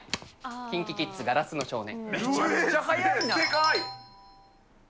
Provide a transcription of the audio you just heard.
ＫｉｎＫｉＫｉｄｓ、硝子の少年。